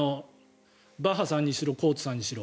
バッハさんにしろコーツさんにしろ。